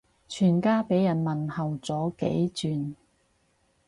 全家俾人問候咗幾轉